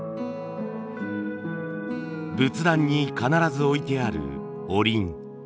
仏壇に必ず置いてあるおりん。